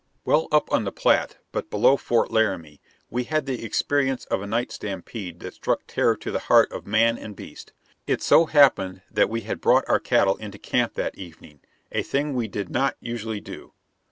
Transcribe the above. Well up on the Platte, but below Fort Laramie, we had the experience of a night stampede that struck terror to the heart of man and beast. It so happened that we had brought our cattle into camp that evening, a thing we did not usually do.